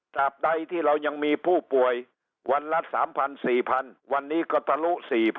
บใดที่เรายังมีผู้ป่วยวันละ๓๐๐๔๐๐วันนี้ก็ทะลุ๔๐๐